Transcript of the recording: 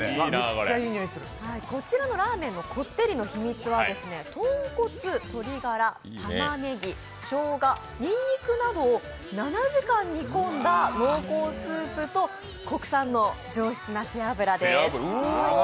こちらのラーメンのこってりの秘密は豚骨鶏がら、たまねぎ、しょうが、にんにくなどを７時間煮込んだ濃厚スープと国産の上質な背脂です。